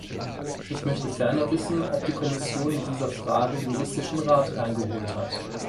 Ich möchte ferner wissen, ob die Kommission in dieser Frage juristischen Rat eingeholt hat.